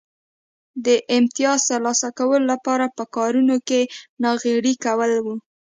د امیتاز ترلاسه کولو لپاره په کارونو کې ناغېړي کول و